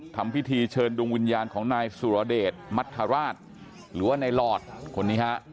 ทำพิธีเชิญดวงวิญญาณของนายสุรเดชมัธราชหรือว่าในหลอดคนนี้ฮะ